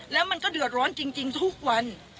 แล้วมันก็เดือดร้อนจริงทุกวัน